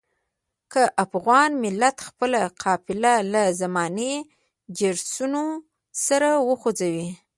که افغان ملت خپله قافله له زماني جرسونو سره وخوځوي.